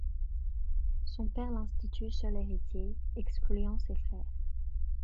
Son père l'institue seul héritier, excluant ses frères.